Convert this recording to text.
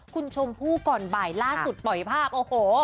คุณชมพู่ก่อนบ่ายล่าสุดปล่อยภาพโอ้โห